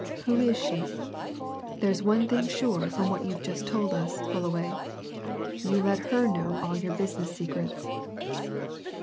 Who is she? There's one thing sure from what you've just told us, Fullaway you let her know all your business secrets."